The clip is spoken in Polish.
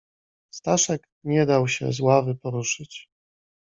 "Staszek nie dał się z ławy poruszyć."